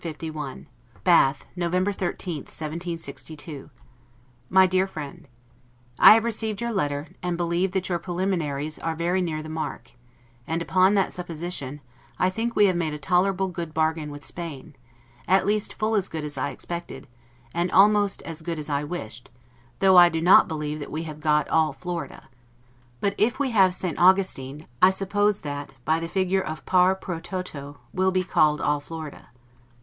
And so God bless you! LETTER CCLI BATH, November 13, 1762. MY DEAR FRIEND: I have received your letter, and believe that your preliminaries are very near the mark; and, upon that supposition, I think we have made a tolerable good bargain with Spain; at least full as good as I expected, and almost as good as I wished, though I do not believe that we have got ALL Florida; but if we have St. Augustin, I suppose that, by the figure of 'pars pro toto', will be called all Florida.